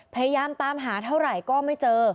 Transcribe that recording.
พยายามตามหาเท่าไหร่ก็ไม่เจอ